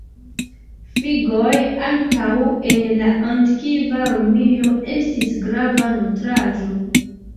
Figoj ankaŭ en la antikva Romio estis grava nutraĵo.